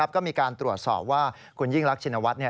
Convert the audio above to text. ก็มีการตรวจสอบว่าคุณยิ่งรักชินวัฒน์